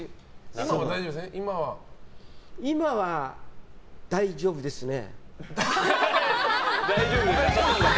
今は大丈夫ですね？